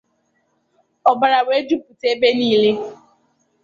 ọbara wee jupụta ebe niile.